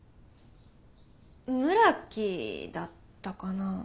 村木だったかな。